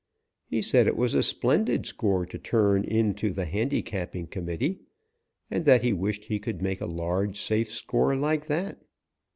He said it was a splendid score to turn in to the handicapping committee, and that he wished he could make a large, safe score like that.